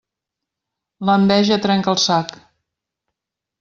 L'enveja trenca el sac.